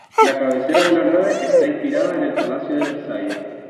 La cabecera de la nave está inspirada en el Palacio de Versalles.